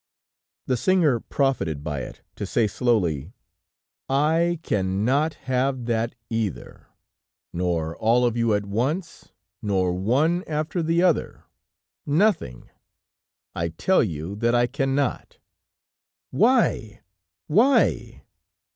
The singer profited by it, to say slowly: "I cannot have that either; nor all of you at once, nor one after the other; nothing! I tell you that I cannot." "Why? Why?"